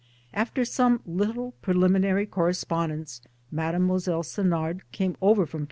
After some little pre liminary correspondence Mile. Senard came over from!